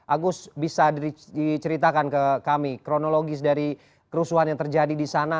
agus bisa diceritakan ke kami kronologis dari kerusuhan yang terjadi di sana